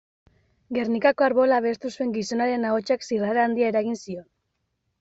Gernikako Arbola abestu zuen gizonaren ahotsak zirrara handia eragin zion.